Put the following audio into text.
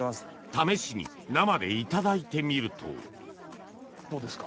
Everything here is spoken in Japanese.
試しに生でいただいてみるとどうですか？